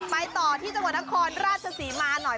ไปต่อที่จังหวัดนครราชศรีมาหน่อย